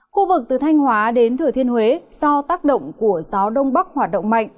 khu vực từ thanh hóa đến thừa thiên huế do tác động của gió đông bắc hoạt động mạnh